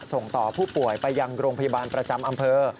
ส่งต่อผู้ป่วยไปยังโรงพยาบาลประจำอำเภอ